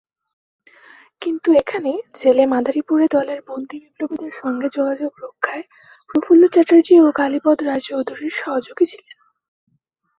কিন্তু এখানে জেলে মাদারীপুর দলের বন্দী বিপ্লবীদের সঙ্গে যোগাযোগ রক্ষায় প্রফুল্ল চ্যাটার্জি ও কালীপদ রায়চৌধুরীর সহযোগী ছিলেন।